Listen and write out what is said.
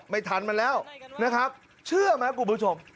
ไม่ทันมันแล้วนะครับเชื่อไหมคุณผู้ชม